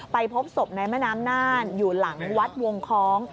พบศพในแม่น้ำน่านอยู่หลังวัดวงคล้อง